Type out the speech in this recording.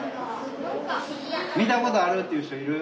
見たことあるっていう人いる？